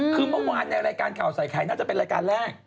คือเมื่อวานในรายการข่าวใส่ไข่น่าจะเป็นรายการแรก